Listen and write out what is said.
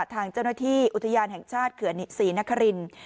ทางเจ้าหน้าที่อุทยานแห่งชาติเขื่อนศรีนครินทร์